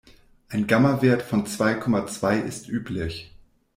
Ein Gamma-Wert von zwei Komma zwei ist üblich.